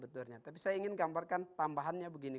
tapi saya ingin gambarkan tambahannya begini